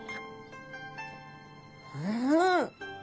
うん！